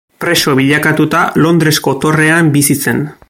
Preso bilakatuta, Londresko dorrean bizi zen.